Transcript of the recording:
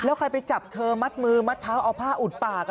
แล้วใครไปจับเธอมัดมือมัดเท้าเอาผ้าอุดปาก